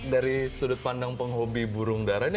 dari sudut pandang penghobi burung darah ini